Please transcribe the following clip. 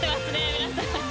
皆さん。